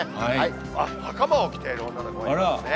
あっ、はかまを着ている女の子もいますね。